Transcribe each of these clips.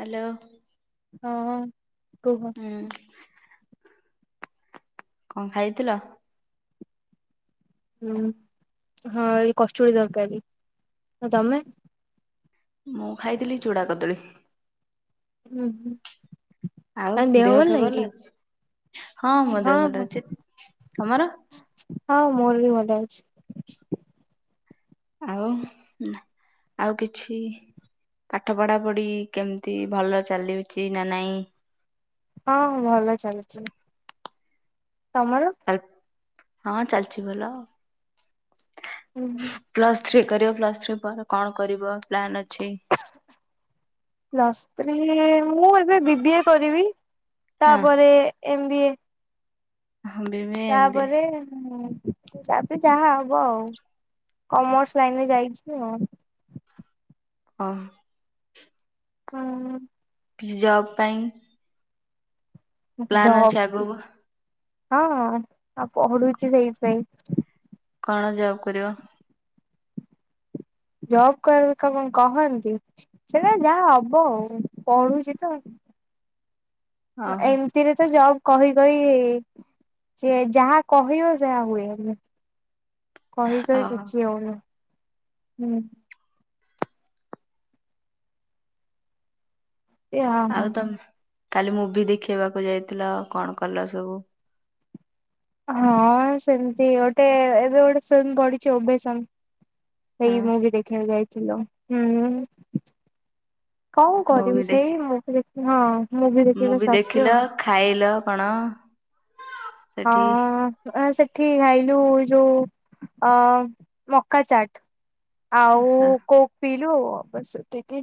Hello. ହଁ କୁହ। ହୁଁ କଣ ଖାଇଥିଲ? ହୁଁ ହଁ ଏଇ କଚୁଡ଼ି ଦରକାରୀ। ଆ ତମେ? ମୁଁ ଖାଇଥିଲି ଚୂଡ଼ା କଦଳୀ। ହୁଁ ହୁଁ। ଆଉ ଦେହ ଫେହ ଭଲ ହଁ ହଁ ଅଛି? ହଁ ମୋର ବି ଭଲ ଅଛି। ଆଉ ଆଉ କିଛି ପାଠ ପଢା ପଢି କେମିତି ଭଲ ଚାଲିଛି ନା ନାଇଁ? ହଁ ଭଲ ଚାଲିଛି। ତମର? ହଁ ଚାଲିଛି ଭଲ। ହୁଁ ହୁଁ। ପ୍ଲସ୍ ଥ୍ରୀ କରିବ ପ୍ଲସ୍ ଥ୍ରୀ ପରେ କଣ କରିବ ପ୍ଲାନ୍ ଅଛି? ପ୍ଲସ ଥ୍ରି ମୁଁ ଏବେ ବିି ବି ଏ କରିବି ତାପରେ ଏମ୍ ବି ଏ ହ ବି [unintelligible] ତାପରେ ମୁଁ ତାପରେ ଯାହା ହବ ଆଉ କମର୍ସ ଲାଇନରେ ଯାଇଛି ଆଉ। ଓ। ହଁ। କିଛି ଜବ୍ ପାଇଁ? ପ୍ଲାନ୍ ଅଛି ଜବ୍ ଆଗକୁ ହଁ ଆଉ ପଢୁଛି ସେଇଥିପାଇଁ। କଣ ଜବ୍ କରିବ? ଜବ [unintelligible] କହନ୍ତି, ସେଟା ଯାହା ହବ ଆଉ, ପଢୁଛି ତ। ଓହୋ ଏମିତିରେ ତ ଜବ୍ କହି କହି ହେ ସିଏ ଯାହା କହିବ ସେହା ହୁଏନି। କହି କହି ଓହୋ କିଛି ହଉନି ହୁଁ। ଆଉ ତମ କାଲି ମୁଭି ଦେଖେଇବାକୁ ଯାଇଥିଲ କଣ କଲ ସବୁ? ହଁ ସେମତି ଗୋଟେ ଏବେ ଗୋଟେ ଫିଲ୍ମ ପଢିଛି ଓବେସନ୍। ସେଇ ହଁ ମୁଭି ଦେଖିବାକୁ ଯାଇଥିଲୁ ହୁଁ। କଣ ମୁଭି କରିବୁ ଦେଖି ସେଇ ମୁଁ ବି ଦେଖି ହଁ ମୁଭି ଦେଖି ବସ ଆସିଲୁ ଆଉ। ଖାଇଲ କଣ? ସେଠି ହଁ ସେଠି ଖାଇଲୁ ଯୋଉ ଅ ମକା ଚାଟ୍। ଆଉ କୋକ୍ ପିିଲୁ ବାସ୍ ଏତିକି।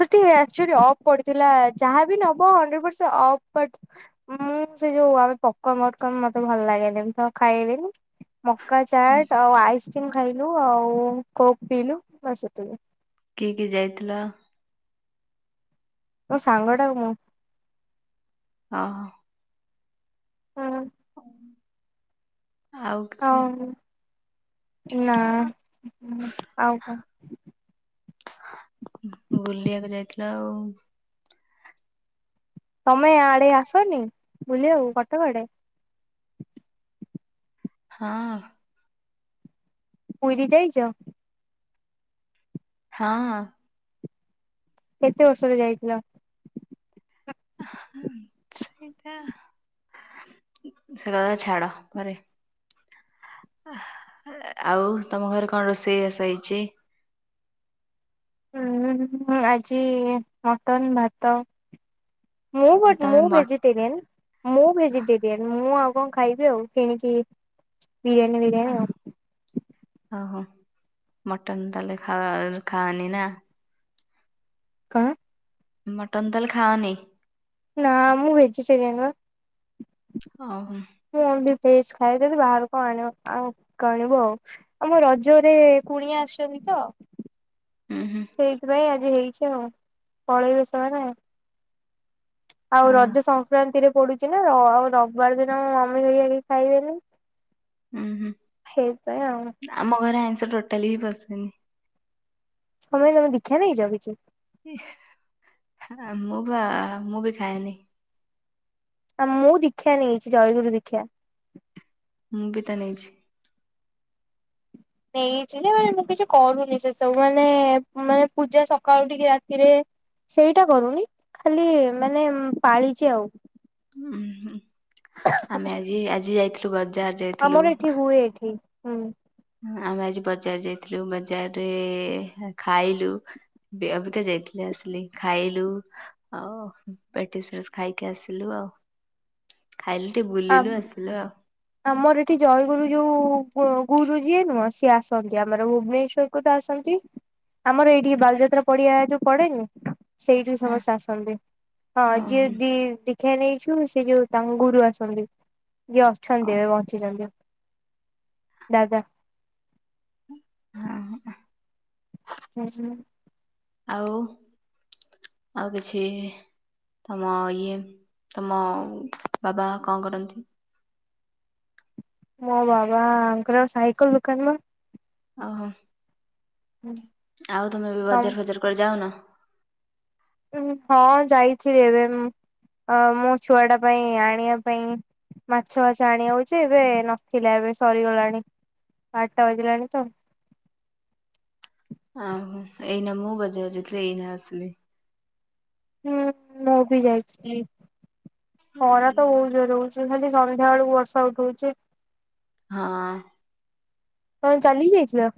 ସେଠି ଏକ୍ଟୁଆଲୀ ଅଫ ପଡିଥିଲା ଯାହାବି ନବ ହଣ୍ଡ୍ରେଡ ପର୍ସେଣ୍ଟ ଅଫ୍ ପ ମୁଁ ସେ ଯୋଉ ଆମେ ପପ୍ କର୍ନ ମପ୍ କର୍ନ ମତେ ଭଲ ଲାଗେନି ମୁଁ ତ ଖାଇଲିନି ମକା ଚାଟ୍ ଆଉ ଆଇସ୍କ୍ରିମ୍ ଖାଇଲୁ ଆଉ କୋକ୍ ପିଇଲୁ ବାସ୍ ଏତିକି। କିଏ କିଏ ଯାଇଥିଲ? ମୋ ସାଙ୍ଗଟା ଆଉ ମୁଁ। ହଁ। ହୁଁ। ଆଉ କିଛି ହଁ। ନା ଆଉ କଣ। ବୁଲିବାକୁ ଯାଇଥିଲ ଆଉ। ତମେ ଆଡେ ଆସନି ବୁଲିବାକୁ କଟକ ଆଡେ? ହଁ। ପୁରୀ ଯାଇଚ? ହଁ। କେତେ ବର୍ଷରେ ଯାଇଥିଲ? ସେଇଟା ସେକଥା ଛାଡ଼ ପରେ ଆଉ ତମ ଘରେ କଣ ରୋଷେଇ ବାସ ହେଇଚି? ଉଁ ଆଜି ମଟନ୍ ଭାତ। ମୁଁ ଆଜି ବଟ୍ ତମେ ମୁଁ ମ ଭେଜି ଟେରିଆନ ମୁଁ ଭେଜିଟେରିଆନ ମୁଁ ଆଉ କଣ ଖାଇବି ଆଉ କିଣିକି ବିରିୟାନୀ ବିରିୟାନୀ ଆଉ। ଓହୋ ମଟନ୍ ତାହେଲେ ଖଅ ଖାଆନିନା? କଣ? ମଟନ୍ ତାହେଲେ ଖାଅନି? ନା ମୁଁ ଭେଜିଟେରିଆନ ବା। ଓହୋ। ମୁଁ ଓନଲି ଭେଜ ଖାଏ ଯଦି ବାହାରୁ କଣ ଆଣିବ କା କାଣିବୁ ଆଉ। ଆମ ରଜରେ କୁଣିଆ ଆସିଛନ୍ତିତ। ଉଁ ହୁଁ। ସେଇଥିପାଇଁ ଆଜି ହେଇଚି ଆଉ ପଳେଇବେ ସେମାନେ। ଆଉ ରଜ ସଂକ୍ରାନ୍ତିରେ ପଡ଼ୁଚିନା ଆଉ ରବିବାର ଦିନ ମମି ହରିକା କେହି ଖାଇବେନି। ଉଁ ହୁଁ। ସେଇଥିପାଇଁ ଆଉ। ଆମ ଘରେ ଆଇଁଷ ଟୋଟାଲି ହିଁ ପସେନି। କଣ ପାଇଁ ତମେ ଦୀକ୍ଷା ନେଇଛ କିଛି? ଆ ମୁଁ ପା ମୁଁବି ଖାଏନି। ଆ ମୁଁ ଦୀକ୍ଷା ନେଇଛି ଜୟଗୁରୁ ଦୀକ୍ଷା। ମୁଁବିତ ନେଇଛି। ନେଇଚିଯେ ହେଲେ ମୁଁକିଛି କରୁନି ସେ ସବୁ ମାନେ ମାନେ ପୂଜା ସକାଳୁ ଉଠିକି ରାତିରେ ସେଇଟା କରୁନି ଖାଲି ମାନେ ପାଳିଚି ଆଉ। ଉଁହୁଁ ଆମେ ଆଜି ଆଜି ଯାଇଥିଲୁ ବଜାର ଯାଇଥିଲୁ। ଆମର ଏଠି ହୁଏ ଏଠି ହୁଁ। ଆମେ ଆଜି ବଜାର ଯାଇଥିଲୁ ବଜାରରେ ଖାଇଲୁ। ବେ ଅବିକା ଯାଇଥିଲି ଆସିଲି ଖାଇଲୁ ଆଉ ପେଟିସ୍ ଫେସ୍ ଖାଇକି ଆସିଲୁ ଆଉ। ଖାଇଲୁ ଟିକେ ବୁଲିଲୁ ଆସିଲୁ ଆଉ। ଆମର ଏଠି ଜୟଗୁରୁ ଯୋଉ ଗୁ ଗୁରୁ ଯିଏ ନୁହଁ ସିଏ ଆସନ୍ତି ଆମର ଭୁବନେଶ୍ଵ କୁ ତଆସନ୍ତି ଆମର ଏଇଠିକି ବାଲିଯାତ୍ରା ପଡ଼ିଆ ଯୋଉ ପଡ଼େନି ସେଇଠିକି ହଁ ସମସ୍ତେ ଆସନ୍ତି ହଁ ଯିଏ ଦି ଦି ଦୀକ୍ଷା ନେଇଛୁ ସେଯୋଉ ତାଙ୍କ ଗୁରୁ ଆସନ୍ତି ଯିଏ ଅଛନ୍ତି ଏବେ ବଞ୍ଚିଛନ୍ତି। ଦାଦା। ହୁଁ ଉଁ। ହୁଁ ହୁ। ଆଉ ଆଉ କିଛି ତମ ଇଏ ତମ ବାବା କଣ କରନ୍ତି? ମୋ ବାବାଙ୍କର ସାଇକେଲ୍ ଦୋକାନ ମୋ ଓହୋ। ହୁଁ। ଆଉ ତମେ ଏବେ ବଜାର ଫଜାର କୁଆଡ଼େ ଯାଉନ? ହଁ ଯାଇଥିଲି ଏବେ ଅଁ ମୋଛୁଆଟା ପାଇଁ ଆଣିବା ପାଇଁ ମାଛ ମାଛ ଆଣି ହଉଛି ଏବେ ନଥିଲା ଏବେ ସରିଗଲାଣି ଆଠଟା ବଇଜିଲାଣିତ ଓହୋ ଏଇନା ମୁଁ ବଜାରେ ଯାଥିଲି ଏଇନା ଆସିଲି। ହୁଁ ମୁଁ ବି ଯାଇଛି ଖରା ତ ବହୁତ ଯୋରରେ ହଉଚି। ଯଉ ଖାଲି ସନ୍ଧ୍ୟା ବେଳକୁ ବର୍ଷା ଉଠଉଛି। ହଁ ହଁ ଚାଲି କୁ ଯାଇଥିଲ।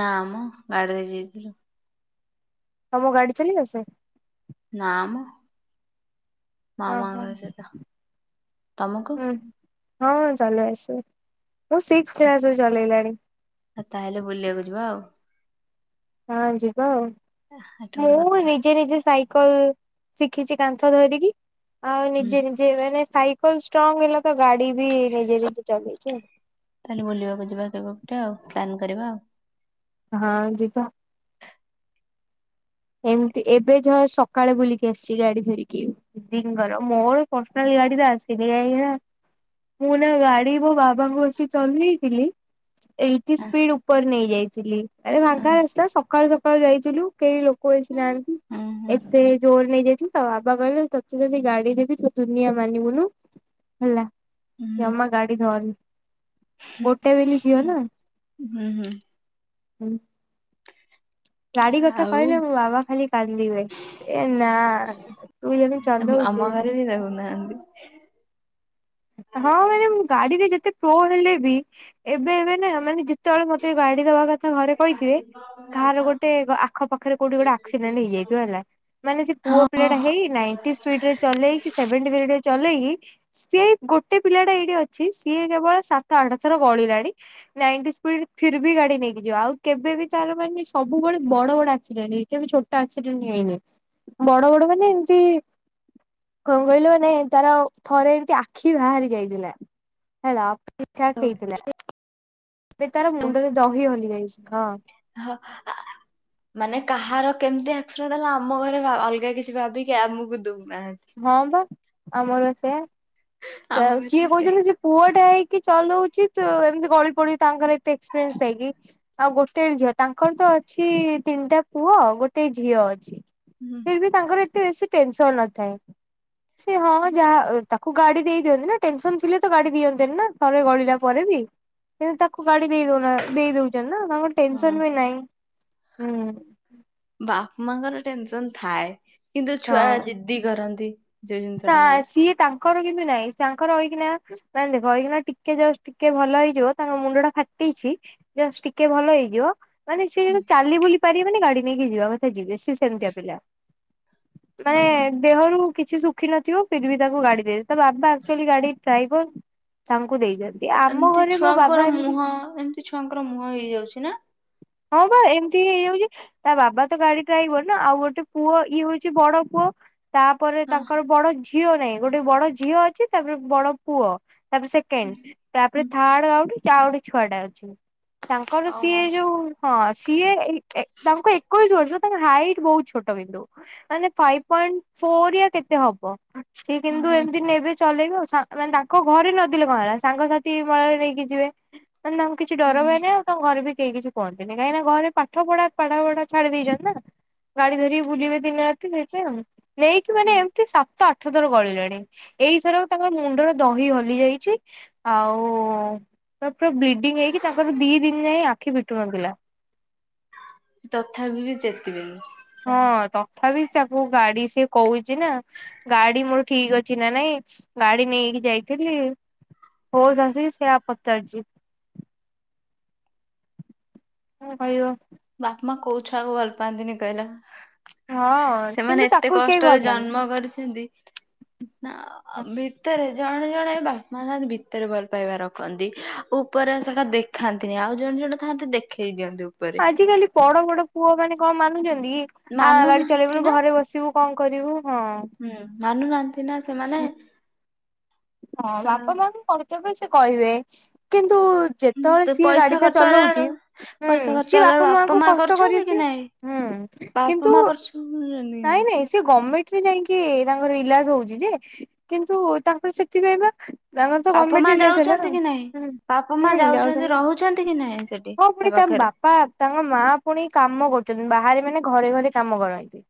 ନାମ ଗାଡିରେ ଯାଇଥିଲି। ତମକୁ ଗାଡି ଚଲେଇ ଆସେ। ନା ମ ଓହୋ ମାମାଙ୍କ ସହିତ ତମକୁ? ହୁଁ। ହଁ ଚଲେଇ ଆସେ ମୁଁ ସିକ୍ସ କ୍ଲାସ ରୁ ଚଲେଇଲିଣି। ଆଉ ତାହେଲେ ବୁଲିବାକୁ ଯିବା ଆଉ। ହଁ ଯିବ ଆଉ ଏଟା ଗୋଟେ ମୁଁ କଥା ନିଜେ ନିଜେ ସାଇ କଲ ଶିଖିଛି କାନ୍ଥ ଧରିକି ଆଉ ହୁଁ ନିଜେ ନିଜେ ମାନେ ସାଇକଲ ଷ୍ଟ୍ରଙ୍ଗ ହେଲା ତ ଗାଡି ବି ନିଜେ ନିଜେ ଚଲେଇଚି। ତାହେଲେ ବୁଲିବାକୁ ଯିବା କେବେ ଗୋଟେ ଆଉ ପ୍ଲାନ୍ କରିବା ଆଉ ହଁ ଯିବା। ଏମିତି ଏବେ ଯ ସକାଳେ ବୁଲିକି ଆସିଛି ଗାଡି ଧରିକି। ଦି ଦିଙ୍କର ମୋର ପର୍ସନାଲ ଗାଡି ଟା ଆସିନି କାହିଁକି ନା ମୁଁ ନା ଗାଡି ମୋ ବାବାଙ୍କୁ ବସେଇ ଚଲେଇଥିଲି। ଏଇଟି ସ୍ପିଡ ଉପରେ ନେଇଯାଇଥିଲି ଆରେ ଫାଙ୍କା ରାସ୍ତା ସକାଳୁ ସକାଳୁ ଯାଇଥିଲୁ କେହି ଲୋକ [inaudible] ହୁଁ ହୁଁ। ଏତେ ଜୋର ନେଇଯାଇଥିଲି ତ ବାବା କହିଲେ ତେ ଯଦି ଗାଡି ଦେବି ତୁ ଦୁନିଆ ମାନିବୁନୁ। ହେଲା ଜମା ଗାଡି ଧରନି। ଗୋଟେ ବୋଲି ଝିଅ ହୁଁ ନା ହୁଁ ହୁଁ ହଁ। ଗାଡି କଥା ଆଉ କହିଲେ ମୋ ବାବା ଖାଲି କାନ୍ଦିବେ। ଏ ନା ତୁ ଯେମିତି ଚଲଉଛୁ ଆମ ଘରେ ବି ଦେଉନାହାନ୍ତି। ହଁ ମାନେ ଗାଡିରେ ଯେତେ ପ୍ରୋ ହେଲେ ବି ଏବେ ଏବେ ନା ମାନେ ଯେତେବେଳେ ମତେ ଗାଡି ଦବା କଥା ଘରେ କହିଥିବେ। କାହାର ଗୋଟେ ଆଖ ପାଖରେ କୋଉଠି ଗୋଟେ ଆକ୍ସିଡେଣ୍ଟ ହେଇଯାଇଥିବ ହେଲା। ମାନେ ସେ ପୁଅ ପିଲା ହଁ ଟା ହେଇ ନାଇଟି ସ୍ପିଡ ରେ ଚଲେଇକି ସେଭେନ ଟି ଚଲେଇକି ସେଇ ଗୋଟେ ପିଲାଟା ଏଇଠି ଅଛି ସିଏ କେବଳ ସାତ ଆଠ ଥର ଗଳିଲାଣି। ନାଇଟି ସ୍ପିଡ଼ି ରେ ଫିର ବି ଗାଡି ନେଇକି ଯିବ ଆଉ କେବେ ବି ତାର ମାନେ ସବୁବେଳେ ବଡ ବଡ ଆକ୍ସିଡେଣ୍ଟ ହେଇନି କେବେ ଛୋଟ ଆକ୍ସିଡେଣ୍ଟ ହେଇନି ବଡ ବଡ ମାନେ ଏମତି କଣ କହିଲେ ମାନେ ତାର ଥରେ ଏମିତି ଆଖି ବାହାରି ଯାଇଥିଲା ହେଲା ଠିକ୍ ହଁ ଠାକ ହେଇଥିଲା। ଏବେ ତାର ମୁଣ୍ଡରେ ଦହି ହଲି ଯାଇଛି ହଁ। ହଁ ମାନେ କାହାର କେମିତି ଆକ୍ସିଡେଣ୍ଟ ହେଲା ଆମ ଘରେ ଅଲଗା କିଛି ଭାବିକି ଆମକୁ ଦଉନାହାନ୍ତି। ହଁ ବା ଆମର ସେଇଆ ଆମ ଘରେ ବି ସିଏ କହୁଛନ୍ତି ସେ ପୁଅ ଟା ହେଇକି ଚଲଉଛି ତୁ ଏମିତି ଗଳି ପଡୁଛି ତାଙ୍କର ଏତେ ଏକ୍ସପିରିନ୍ସ ଥାଇକି ଆଉ ଗୋଟେ ଝିଅ ତାଙ୍କର ତ ଅଛି ତିନିଟା ପୁଅ ଆଉ ଗୋଟେ ଝିଅ ଅଛି। ହୁଁ ଫରବି ତାଙ୍କର ଏତେ ବେଶୀ ଟେନସନ୍ ନଥାଏ ସେ ହଁ ଯାହା ତାକୁ ଗାଡି ଦେଇ ଦିଅନ୍ତି ନା ଟେନସନ୍ ଥିଲେ ତ ଗାଡି ଦିଅନ୍ତେନି ନା ଥରେ ଗଳିଲା ପରେ ବି କିନ୍ତୁ ତାକୁ ଗାଡି ଦେଇ ଦେଈଦୋଉନା ଦେଈ ଦଉଚନ୍ତି ନା ତାଙ୍କର ହଁ ଟେନସନ୍ ବି ନାଇଁ। ବାପା ମାଙ୍କର ଟେନସନ୍ ଥାଏ କିନ୍ତୁ ଛୁଆ ହଁ ଯିଦି କରନ୍ତି। ଯୋଉ ଜିନିଷ ନା ଟା ନବାକୁ ସିଏ ତାଙ୍କର କିନ୍ତୁ ନାହିଁ ତାଙ୍କର ଏଇଖିନା ନାଇଁ ଦେଖ ଏଇଖିନା ଟିକେ ଯଷ୍ଟ ଟିକେ ଭଲ ହେଇଯିବ ତାଙ୍କ ମୁଣ୍ଡ ଟା ଫାଟିଛି। ଜଷ୍ଟ ଟିକେ ଭଲ ହେଇଯିବ। ମାନେ ସିଏ ଯେମିତି ଚାଲି ବୁଲି ପାରିବେନି ଗାଡି ନେଇକି ଯିବା କଥା ଯିବେ ସେ ସେମତୀଆ ପିଲା ମାନେ ଆଉ କଣ? ଦେହରୁ କିଛି ଶୁଖି ନଥିବ ଫିର୍ ବି ତାକୁ ଗାଡି ଦେଇ ତା ବାବା ଆକ୍ଚୁଆଲି ଗାଡି ଡ୍ରାଇଭର ତାଙ୍କୁ ଦେଇଯାଏ। କେ ଏମ୍ତି ଛୁଆଙ୍କର ମୁହଁ ଏମ୍ତି ଛୁଆଙ୍କର ମୁହଁ ହେଇଯାଉଚି ନା? ହଁ ପା ଏମ୍ତି ହିଁ ହେଇଯାଉଚି। ତା ବାବା ତ ଗାଡି ଡ୍ରାଇଭର ନା ଆଉ ଗୋଟେ ପୁଅ ଇଏ ହୋଉଚି ବଡ ପୁଅ ତାପରେ ହଁ ତାଙ୍କର ବଡ ଝିଅ ନାହିଁ ଗୋଟେ ବଡ ଝିଅ ଅଛି ତାପରେ ବଡ ପୁଅ। ତାପରେ ସେକେଣ୍ଡ ତାପ୍ରେ ହୁଁ ଥାର୍ଡ ଆଉଗୋଟେ ଅଛି ଆଉ ଗୋଟେ ଛୁଆଟା ଅଛି। ତାଙ୍କର ଓହୋ ସିଏ ଯୋଉ ହଁ ସିଏ ଏ ଏ ତାଙ୍କୁ ଏକୋଇଶି ବର୍ଷ ତାଙ୍କ ହାଇଟ୍ ବହୁତ୍ ଛୋଟ କିନ୍ତୁ। ମାନେ ଫାଇପ୍ ପଏଣ୍ଟ ଫୋର ୟା କେତେ ହବ ସେ କିନ୍ତୁ ହୁଁ ଏମ୍ତି ନେବେ ଚଲେଇବେ ଆଉ ସା ମାନେ ତାଙ୍କ ଘରେ ନଦେଲେ କଅଁ ହେଲା ସାଙ୍ଗସାଥି ମଳାରେ ନେଇକି ଯିବେ। ମାନେ ତାଙ୍କୁ କିଛି ଡର ଭୟ ହୁଁ ନାଇଁ ଆଉ ତାଙ୍କ ଘରେ ବି କେଇ କିଛି କୁହନ୍ତିନି କାହିଁକି ନା ଘରେ ପାଠ ପଢା ପାଠ ପଢା ଛାଡି ଦେଇଚନ୍ତି ନା। ଗାଡି ଧରିକି ବୁଲିବେ ଦିନ ରାତି ସେଇପାଇଁ ଆଉ। ନେଇକି ମାନେ ଏମ୍ତି ସାତ ଆଟ୍ ଆଠଥର ଗଳିଲେଣି ଏଇଥରକ ତାଙ୍କ ମୁଣ୍ଡରେ ଦହି ହଲିଯାଇଚି ଆଉ ପୁରା ବିଡିଙ୍ଗ୍ ହେଇକି ତାଙ୍କର ଦି ଦିନ ଯାଏ ଆଖି ଫିଟୁ ନଥିଲା। ତଥାବି ବି ଚେତିବେନି। ହଁ ସେମାନେ। ତଥାବି ତାକୁ ଗାଡି ସେ କହୁଚିନା ଗାଡି ମୋର ଠିକ୍ ଅଛି ନା ନାଇଁ ଗାଡି ନେଇକି ଯାଇଥିଲି। ହୋସ୍ ଆସିକି ସେଇଆ ପଚାରୁଚି। କଣ କଇବ। ବାପ ମାଆ କୋଉ ଛୁଆକୁ ଭଲ୍ ପାଆନ୍ତିନି କଇଲ? ହଁ ସେମାନେ କିନ୍ତୁ ଏତେ ତାକୁ କେହି କଷ୍ଟରେ ଭଲ ଜନ୍ମ କରିଚନ୍ତି ନା ଆ ଆଉ ପାଆନ୍ତିନି ଭିତରେ ଜଣେ ଜଣେ ବାପା ମାଆ ଥାନ୍ତି ଭିତରେ ଭଲ୍ ପାଇବା ରଖନ୍ତି। ଉପରେ ସେଟା ଦେଖାନ୍ତିନି ଆଉ ଜଣେ ଜଣେ ଥାନ୍ତି ଦେଖେଇ ଦିଅନ୍ତୁ ଉ ଆଜିକାଲି ପଡ ବଡ ପୁଅ ମାନେ କଣ ମାନୁଚନ୍ତି କି? ଆ ଗାଡି ମାନୁନାହାନ୍ତି ଚଲେଇବୁନୁ ନା ଘରେ ବସିବୁ କଅଁ କରିବୁ ହଁ। ମାନୁନାଆନ୍ତି ନା ସେମାନେ। ହଁ ବାପା ମାଆଙ୍କ କର୍ତବ୍ୟ ସେ କହିବେ। କିନ୍ତୁ ଯେତେବେଳେ ତ ସିଏ ଗାଡି ପଇସା ଟା ଖର୍ଚ୍ଚ ହେଲାବେଳୁ ଚଳୋଉଚି ପଇସା ଖର୍ଚ୍ଚ ସିଏ ହେଲାବେଳୁ ବାପା ମାଙ୍କୁ ମା କଷ୍ଟ କରୁଛନ୍ତି କି କରିଚି। ନାଇଁ ହୁଁ। ବାପା କିନ୍ତୁ ମା କରୁଛନ୍ତି କି ନାଇଁ ନାଇଁ ସେ ଗମେ ମେଣ୍ଟ ରେ ଯାଇଁକି ତାଙ୍କର ଇଲାଜ୍ ହୋଉଚି ଯେ କିନ୍ତୁ ତାଙ୍କର ସେଥିପାଇଁ ପା ତାଙ୍କର ତ ବାପା ଗମେଣ୍ଟ ମା ଇଲାଜ ହେଲା ଯାଉଛନ୍ତି ନା। କି ନାଇଁ ବାପା ମା ଯାଉଛନ୍ତି ରହୁଛନ୍ତି [unintelligible] କି ନାଇଁ ସେଠି ହଁ ପୁଣି ତା ପାଖରେ ବା ପା ତାଙ୍କ ମାଆ ପୁଣି କାମ କରୁଚନ୍ତି ବାହାରେ ମାନେ ଘରେ ଘରେ କାମ କରନ୍ତି।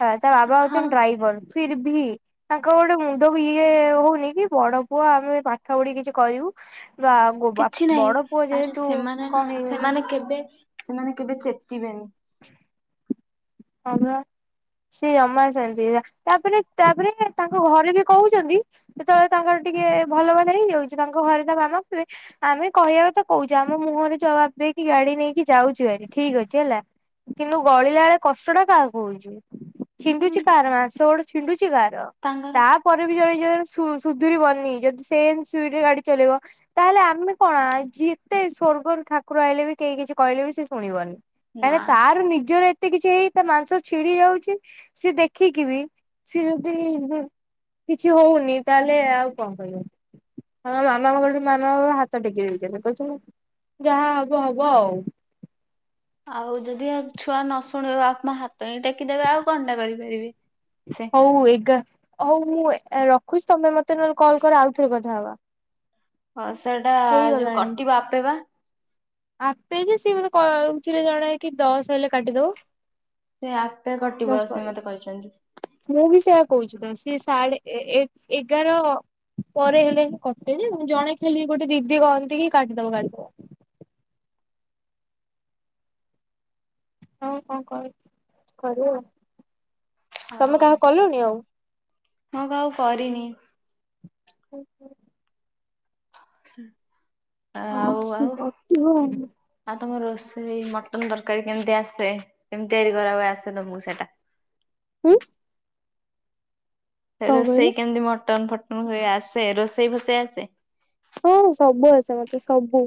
ପା ତା ବାବା ହଁ ହଉଛନ୍ତି ଡ୍ରାଇବର୍ ଫିର୍ ଭି ତାଙ୍କର ଗୋଟେ ମୁଣ୍ଡ କୁ ଇଏ ହଉନି ଇଏ ବଡ ପୁଅ ଆମେ ପାଠ ପଢିକି କିଛି କରିବୁ ବାଆ କିଛି ନାହିଁ ଆରେ ସେମାନେ କଣ ନା ହେଇଗଲେ ସେମାନେ କେବେ ସେମାନେ କେବେ ଚେତିବେନି। ହଁ ପା। ସେ ଜମା ସେମ୍ତି ତାପ୍ ରେ ତାପରେ ତାଙ୍କ ଘରେ ବି କୋହୁଚନ୍ତି। ଯେତେବେଳେ ତାଙ୍କର ଟିକେ ଭଲ ଭାଲ ହେଇଯାଉଚି ତାଙ୍କ ଘରେ ତା ମାମା କହିବେ ଆମେ କହିବା କଥା କହୁଚୁ ଆମ ମୁହଁରେ ଜବାବ୍ ଦେଇକି ଗାଡି ନେଇକି ଯାଉଚୁ ହାରି ଠିକ୍ ଅଛି ହେଲା। କିନ୍ତୁ ଗଳିଲା ବେଳେ କଷ୍ଟ ଟା କାହାକୁ ହୋଉଚି ହୁଁ ଛିଣ୍ଡୁଚି କାହାର ମାଂସ ଗୋଡେ ଛିଣ୍ଡୁଚି କାହାର? ତା ତାଙ୍କର ପରେ ବି ଜଣେ ଯଣେ ସୁଧୁରି ବନି ଯଦି ସେମ୍ ସ୍ପିଡ ରେ ଗାଡି ଚଲେଇବ ତାହେଲେ ଆମେ କଣ ଯେତେ ସ୍ଵର୍ଗରୁ ଠାକୁର ଆଇଲେ ବି କେହି କିଛି କହିଲେ ବି ସେ ଶୁଣିବନି। ନାଁ। ଆରେ ନିଜର ଏତେ କିଛି ହେଇ ତା ମାଂସ ଛିଡି ଯାଉଚି ସିଏ ଦେଖିକି ବି ସେ ଯଦି କିଛି ହଉନି ତାହେଲେ ଆଉ କଣ କରିବ? ହଁ ମାମା [unintelligible] ମାମା ବା ହାତ ଟେକି ଦେଇଚନ୍ତି କହୁଚନ୍ତି ଯାହା ହବ ହବ ଆଉ। ଆଉ ଯଦି ଆଉ ଛୁଆ ନ ଶୁଣିବ ବାପ ମା ହାତ ହିଁ ଟେକିଦବେ ଆଉ କଣ ଟା କରିପାରିବେ ସେ। ହଉ ଏଗା ହଉ ମୁଁ ରଖୁଛି ତମେ ମତେ ନହେଲେ କଲ କର ଆଉଥରେ କଥା ହବା। ହ ସେଇଟା ଯୋଉ ହେଇଗଲାଣି। କଟିବା ଆପେ ବା। ଆପେ ଯେ ସିଏ ମତେ କହୁଥିଲେ ଜଣେ କି ଦଶ ହେଲେ କାଟିଦବ। ସେ ଆପେ କଟିବ ଦଶ ସେ ପରେ ମତେ କହିଛନ୍ତି। ମୁଁ ବି ସେଇଆ କହୁଛି ତ ସିଏ ସାଢ଼େ ଏ ଏ ଏଗାର ପରେ ହେଲେ କଟେ ଯେ ମୁଁ ଜଣେ ଖାଲିି ଗୋଟେ ଦିଦି କହନ୍ତି କି କାଟିଦବ କାଟିଦବ ହଁ କଣ କଣ କର ଆଉ ତମେ ହଁ କାହା କଲଣି ଆଉ? ମୁଁ ଆଉ କାହାକୁ କରିନି। [inaudible] ଶା ଆମର, ସେ କରିଥିବ ଆଉ ଆଉ ତମ ରୋଷେଇ ମଟନ ତରକାରୀ କେମିତି ଆସେ କେମିତି ତିଆରି କରାହୁଏ ଆସେ ତମକୁ ସେଟା? ଉଁ ରୋଷେଇ କେମିତି ମଟନ ଫଟନ ହୁଏ ଆସେ ରୋଷେଇ ଫୋସେଇ ଆସେ? ହଁ, ସବୁ ଆସେ ମତେ ସବୁ।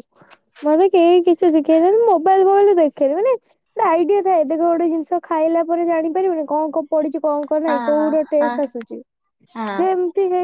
ମତେ କେହି କିଛି ଶିଖେଇ ନାହାନ୍ତି, ମୋବାଇଲ ଫୋବାଇଲ ଦେଖେନି ମାନେ ଗୋଟେ ଆଇଡିଆ ଥାଏ ଦେଖ ଗୋଟେ ଜିନିଷ ଖାଇଲା ପରେ ଜାଣିପାରିବୁନି କଣ କଣ ପଡ଼ିଛି କଣ ନାହିଁ ହଁ କୋଉର ହଁ ଟେଷ୍ଟ ଆସୁଛି ହଁ ସେମତି କେହି